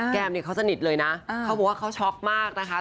แมมเนี่ยเขาสนิทเลยนะเขาบอกว่าเขาช็อกมากนะคะ